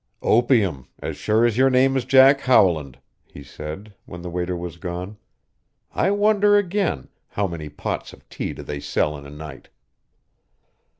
"Opium, as sure as your name is Jack Howland," he said, when the waiter was gone. "I wonder again how many pots of tea do they sell in a night?"